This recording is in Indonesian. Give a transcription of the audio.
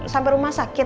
sampai rumah sakit